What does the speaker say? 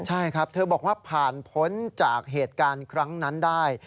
ใช่ครับเธอบอกว่าผ่านพ้นจากเหตุการณ์ครั้งนั้นได้